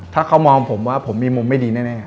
ถ้าเขามองผมว่าผมมีมุมไม่ดีแน่